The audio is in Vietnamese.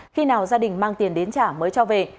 khi nào gia đình mang tiền đến trả mới cho về